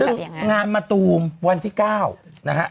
ซึ่งงานมะตูมวันที่๙นะครับ